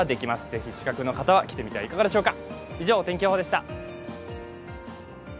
ぜひ近くの方は来てみてはいかがでしょうか。